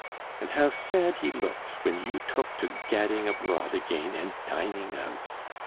And how sad he looked when you took to gadding abroad again and dining out!